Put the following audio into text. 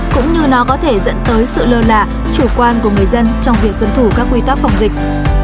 cũng như nó có thể dẫn tới sự lơ là chủ quan của người dân trong việc tuân thủ các quy tắc phòng dịch